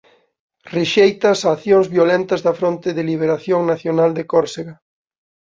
Rexeita as accións violentas da Fronte de Liberación Nacional de Córsega.